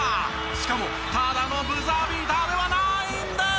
しかもただのブザービーターではないんです。